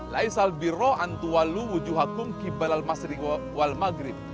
laisal birro antu walu wujuhakum kibalal masri wal magrib